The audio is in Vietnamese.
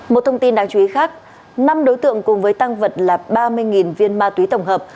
một thông tin đáng chú ý khác năm đối tượng cùng với tăng vật là ba mươi viên ma túy tổng hợp